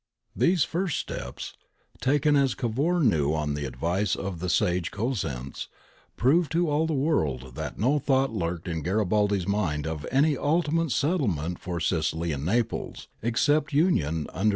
These first steps, taken as Cavour knew on the advice of the sage Cosenz, proved to all the world that no thought lurked in Garibaldi's mind of any ultimate settlement for Sicily and Naples except union under the 'Franri, i.